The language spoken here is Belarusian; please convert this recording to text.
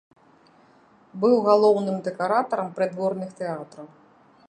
Быў галоўным дэкаратарам прыдворных тэатраў.